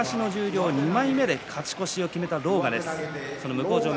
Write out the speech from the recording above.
自身最も東の十両２枚目で勝ち越しを決めた狼雅です。